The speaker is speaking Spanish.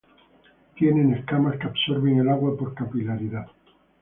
Tienen escamas que absorben el agua por capilaridad.